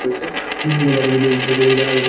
তাই আরব বিশ্বের ঘরে ঘরে আজ এ গ্রন্থটি বেশ সমাদৃত।